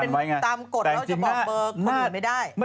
ไม่เป็นตามกฎเราจะบอกเบอร์คนใหญ่ไม่ได้